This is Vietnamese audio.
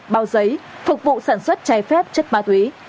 bao giấy phục vụ sản xuất trái phép chất ma túy